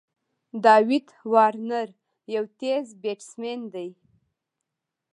داويد وارنر یو تېز بېټسمېن دئ.